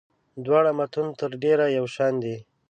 دواړه متون تر ډېره یو شان دي.